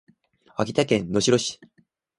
秋田県能代市